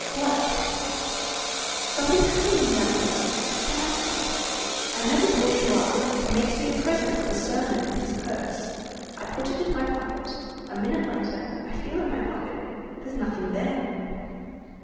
"What?" "Something happened t'other day. Fancy. I meet a bourgeois. He makes me a present of a sermon and his purse. I put it in my pocket. A minute later, I feel in my pocket. There's nothing there."